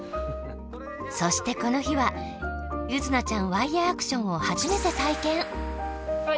そしてこの日は柚凪ちゃんワイヤーアクションをはじめて体験。